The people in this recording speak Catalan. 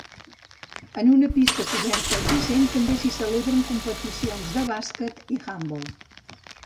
En una pista coberta adjacent també s'hi celebren competicions de bàsquet i handbol.